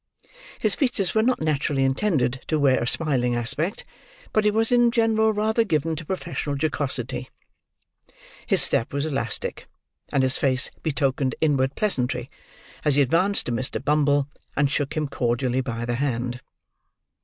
His features were not naturally intended to wear a smiling aspect, but he was in general rather given to professional jocosity. His step was elastic, and his face betokened inward pleasantry, as he advanced to Mr. Bumble, and shook him cordially by the hand.